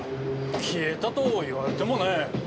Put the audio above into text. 消えたと言われてもね。